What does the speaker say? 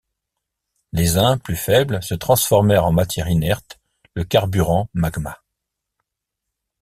Les uns, plus faibles, se transformèrent en matière inerte, le carburant magma.